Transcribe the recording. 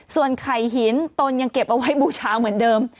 ส่วนไข่หินตนยังเก็บเอาไว้บูชาเหมือนเดิม